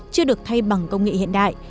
chưa được thay bằng công nghệ hiện đại